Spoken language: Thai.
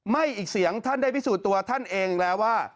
อีกเสียงท่านได้พิสูจน์ตัวท่านเองแล้วว่า